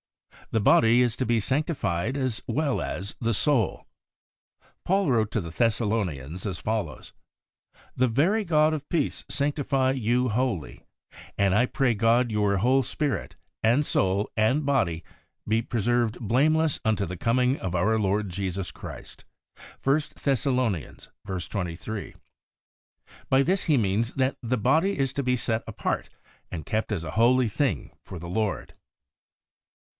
The body is to be sanctified as well as the soul. Paul wrote to the Thessa lonians as follows :' The very God of peace sanctify you wholly ; and I pray God your whole spirit, and soul, and body, be pre served blameless unto the coming of our Lord Jesus Christ' (i Thess. v. 23). By this he means that the body is to be set apart and kept as a holy thing for the Lord.